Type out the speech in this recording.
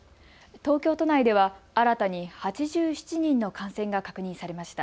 東京都内では新たに８７人の感染が確認されました。